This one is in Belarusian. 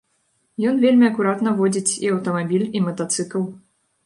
Ён вельмі акуратна водзіць і аўтамабіль, і матацыкл.